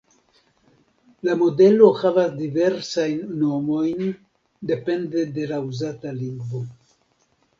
La modelo havas diversajn nomojn depende de la uzata lingvo.